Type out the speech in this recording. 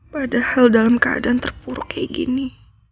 padahal dalam keadaan terpuruk kayak gini